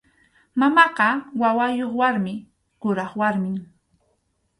Mamaqa wawayuq warmi, kuraq warmim.